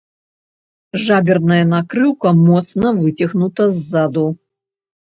Жаберная накрыўка моцна выцягнута ззаду.